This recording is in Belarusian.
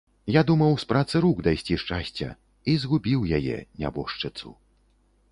Я думаў з працы рук дайсці шчасця і згубіў яе, нябожчыцу.